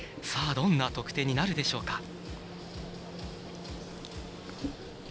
どんな得点になるでしょうか。